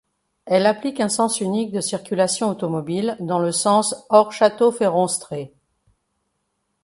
Elle applique un sens unique de circulation automobile dans le sens Hors-Château-Féronstrée.